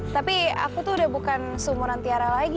tapi aku tuh udah bukan sumunan tiara lagi